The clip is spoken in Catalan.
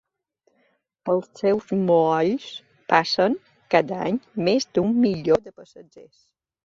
Pels seus molls passen, cada any, més d'un milió de passatgers.